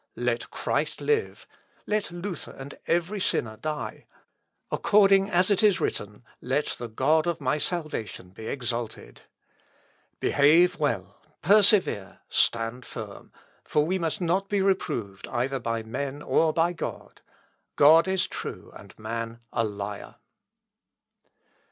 Let Christ live; let Luther and every sinner die. According as it is written: Let the God of my salvation be exalted! Behave well, persevere, stand firm; for we must not be reproved either by men or by God; God is true, and man a liar."